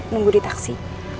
nunggu di taksi